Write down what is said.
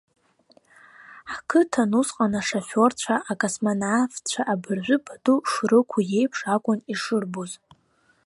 Ҳқыҭан усҟан ашоферцәа акосмонавтцәа абыржәы пату шрықәу еиԥш акәын ишырбоз.